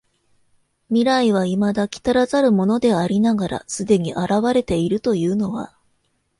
未来は未だ来らざるものでありながら既に現れているというのは、